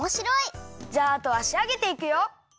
じゃああとはしあげていくよ！